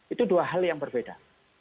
itu dua hal yang berbeda